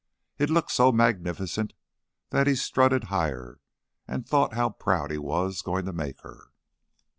It looked so magnificent that he strutted higher and thought how proud he was going to make her.